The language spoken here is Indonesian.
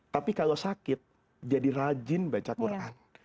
tapi kalau sakit jadi rajin baca quran